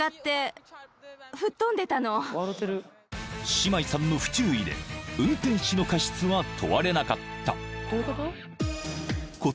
［シマイさんの不注意で運転士の過失は問われなかった］